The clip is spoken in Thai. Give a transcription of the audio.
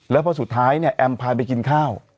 แล้วพอสุดท้ายเนี่ยแอมพาไปกินข้าว